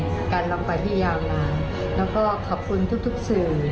การลงไปที่ยาวนานแล้วก็ขอบคุณทุกสื่อ